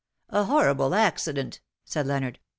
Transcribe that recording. ^^" A horrible accident," said Leonard.